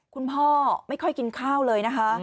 คุณพ่อไม่ค่อยกินข้าวเลยนะคะ